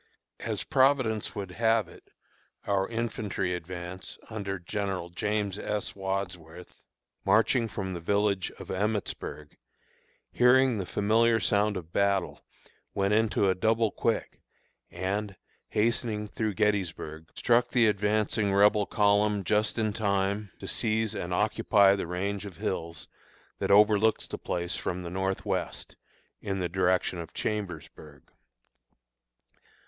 As Providence would have it, our infantry advance, under General James S. Wadsworth, marching from the village of Emmitsburg, hearing the familiar sound of battle, went into a double quick, and, hastening through Gettysburg, struck the advancing Rebel column just in time to seize and occupy the range of hills that overlooks the place from the north west, in the direction of Chambersburg.